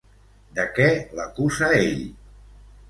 De què l'acusa ell?